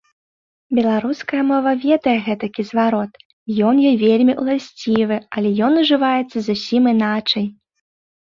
Беларуская мова ведае гэтакі зварот, ён ёй вельмі ўласцівы, але ён ужываецца зусім іначай.